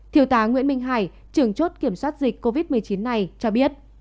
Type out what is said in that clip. thiếu tá nguyễn minh hải trưởng chốt kiểm soát dịch covid một mươi chín này cho biết